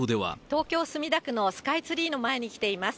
東京・墨田区のスカイツリーの前に来ています。